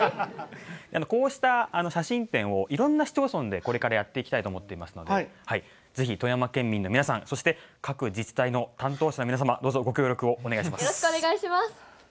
こうした写真展をいろんな市町村でやっていきたいと思いますのでぜひ、富山県民の皆さんまた各自治体の担当者の皆さんご協力をお願いします。